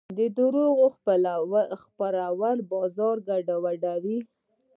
د دروغو خپرول بازار ګډوډوي.